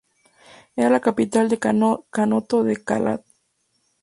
Era la capital del kanato de Kalat.